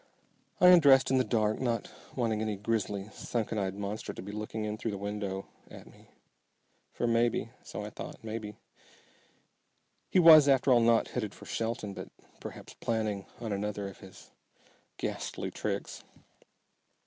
I undressed in the dark, not wanting any grisly, sunken eyed monster to be looking in through the window at me. For maybe, so I thought, maybe he was after all not headed for Shelton, but perhaps planning on another of his ghastly tricks.